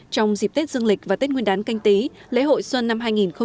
trong dịp tết dương lịch và tết nguyên đán canh tí lễ hội xuân năm hai nghìn hai mươi